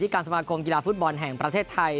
การสมาคมกีฬาฟุตบอลแห่งประเทศไทย